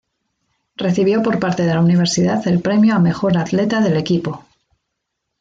Recibió por parte de la universidad el "premio a mejor atleta del equipo".